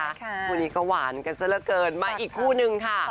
คู่นี้ก็หวานกันซะละเกินมาอีกคู่นึงค่ะ